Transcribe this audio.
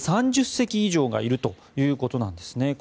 ３０隻以上がいるということなんですね。